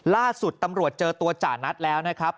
ล่าสุดตำรวจเจอตัวจ่านัทแล้วนะครับ